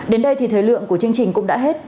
đến đây thì thời lượng của chương trình cũng đã hết